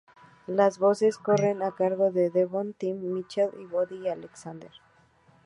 Las voces corren a cargo de Devon, Tim Mitchell y Bobby Alexander.